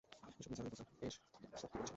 এ-সব নিসার আলি লোকটি এ-সব কী বলছে।